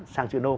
sang chữ nôm